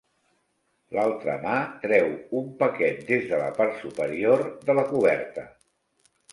L'altra mà treu un paquet des de la part superior de la coberta.